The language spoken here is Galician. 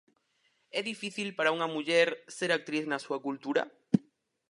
É difícil para unha muller ser actriz na súa cultura?